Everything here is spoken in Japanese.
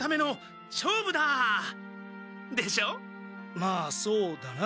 まあそうだな。